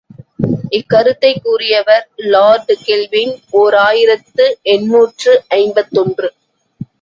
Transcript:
இக்கருத்தைக் கூறியவர் lord Kelvin, ஓர் ஆயிரத்து எண்ணூற்று ஐம்பத்தொன்று.